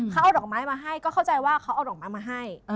เขาเอาดอกไม้มาให้ก็เข้าใจว่าเขาเอาดอกไม้มาให้